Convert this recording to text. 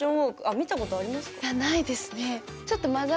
いやないですね。